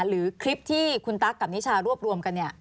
หรือคลิปที่คุณตั๊กกับนิชารวบรวมกัน